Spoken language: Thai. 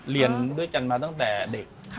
เรียนด้วยกันมาตั้งแต่เด็ก